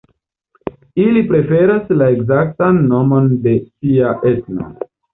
Ili preferas la ekzaktan nomon de sia etno.